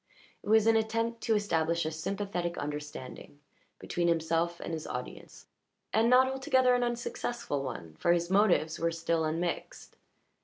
It was an attempt to establish a sympathetic understanding between himself and his audience, and not altogether an unsuccessful one, for his motives were still unmixed.